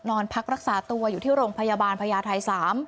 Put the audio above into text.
นอนพักรักษาตัวอยู่ที่โรงพยาบาลพญาไทย๓